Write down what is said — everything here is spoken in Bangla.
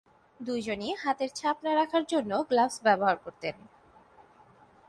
দুজনই হাতের ছাপ না রাখার জন্য গ্লাভস ব্যবহার করতেন।